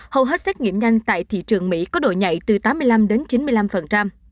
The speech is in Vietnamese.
hầu hết xét nghiệm nhanh tại thị trường mỹ có độ nhảy từ tám mươi năm đến chín mươi năm